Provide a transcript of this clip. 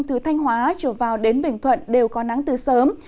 từ thanh hóa trở vào đến bình thuận đều có nắng từ sớm